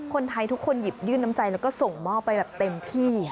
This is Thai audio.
คนไทยทุกคนหยิบยื่นน้ำใจแล้วก็ส่งมอบไปแบบเต็มที่